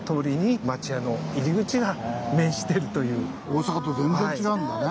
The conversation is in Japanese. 大坂と全然違うんだね。